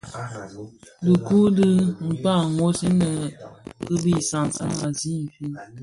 Dhiku u di kpaň wos, inne kibi sansan a zi infin,